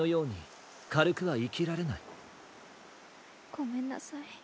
ごめんなさい。